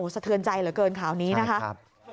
สะเทือนใจเหลือเกินข่าวนี้นะคะ